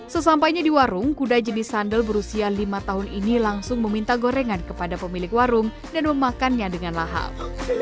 sesampainya di warung kuda jenis sandal berusia lima tahun ini langsung meminta gorengan kepada pemilik warung dan memakannya dengan lahap